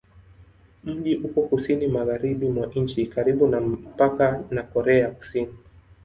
Mji uko kusini-magharibi mwa nchi, karibu na mpaka na Korea ya Kusini.